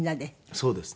そうですね。